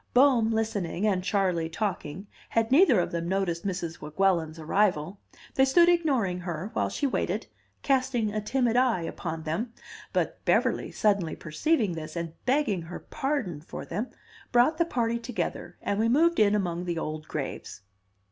Bohm, listening, and Charley, talking, had neither of them noticed Mrs. Weguelin's arrival; they stood ignoring her, while she waited, casting a timid eye upon them. But Beverly, suddenly perceiving this, and begging her pardon for them, brought the party together, and we moved in among the old graves.